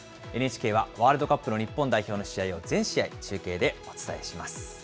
ＮＨＫはワールドカップの日本代表の試合を全試合、中継でお伝えします。